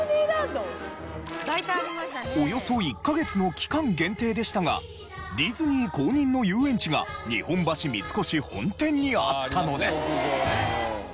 およそ１カ月の期間限定でしたがディズニー公認の遊園地が日本橋三越本店にあったのです。